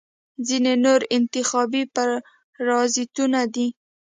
ځینې نور انتخابي پرازیتونه دي.